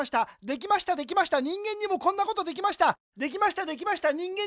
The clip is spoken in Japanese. できましたできました人間にもこんなことできました